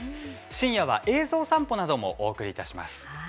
深夜は映像散歩などもお送りいたします。